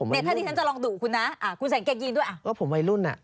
เนี่ยถ้าที่นั้นจะลองดุคุณนะคุณใส่กางเกงยีนด้วยก็ผมวัยรุ่น